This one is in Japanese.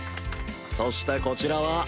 そしてこちらは。